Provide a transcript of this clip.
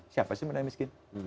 siapa sih yang miskin